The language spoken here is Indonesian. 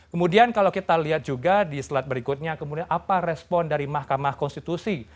kemudian kalau kita lihat juga di slide berikutnya kemudian apa respon dari mahkamah konstitusi